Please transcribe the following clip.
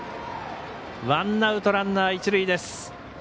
ワンアウト、ランナー、一塁です。